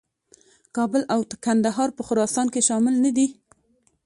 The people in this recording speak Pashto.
کابل او کندهار په خراسان کې شامل نه دي.